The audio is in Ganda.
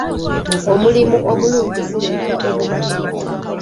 Omulimu omulungi guleeta obumativu.